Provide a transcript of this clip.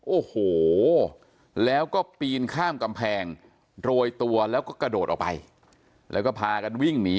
โอ้โหแล้วก็ปีนข้ามกำแพงโรยตัวแล้วก็กระโดดออกไปแล้วก็พากันวิ่งหนี